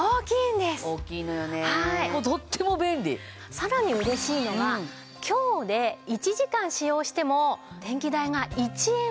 さらに嬉しいのが強で１時間使用しても電気代が１円未満と。